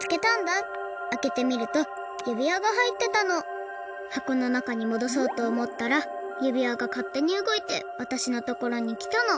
あけてみるとゆびわがはいってたの。はこのなかにもどそうとおもったらゆびわがかってにうごいてわたしのところにきたの。